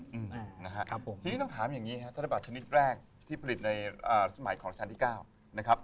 ที่นี้ต้องถามอย่างงี้นะครับธนบัตรชนิดแรกที่ผลิตในสมัยที่ชาชนที่๙